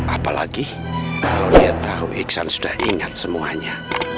apalagi kalau lihat tahu iksan sudah ingat semuanya